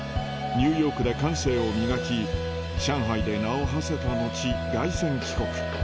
ニューヨークで感性を磨き上海で名をはせた後凱旋帰国